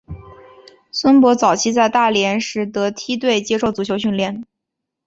孙铂早期在大连实德梯队接受足球训练。